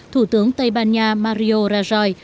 thủ tướng tây ban nha mario rajoy